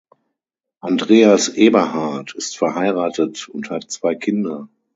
Andreas Eberhardt ist verheiratet und hat zwei Kinder.